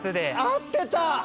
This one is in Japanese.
合ってた！